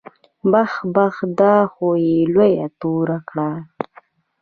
بح بح دا خو يې لويه توره کړې.